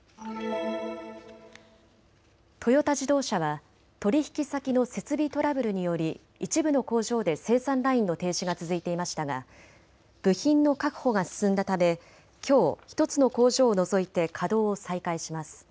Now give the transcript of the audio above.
トヨタ自動車は取引先の設備トラブルにより一部の工場で生産ラインの停止が続いていましたが部品の確保が進んだためきょう１つの工場を除いて稼働を再開します。